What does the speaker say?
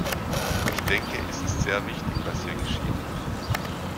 Ich denke, es ist sehr wichtig, was hier geschieht.